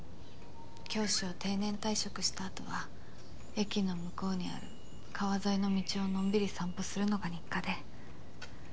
教師を定年退職したあとは駅の向こうにある川沿いの道をのんびり散歩するのが日課で。